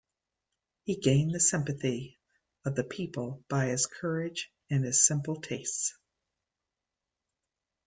He gained the sympathy of the people by his courage and his simple tastes.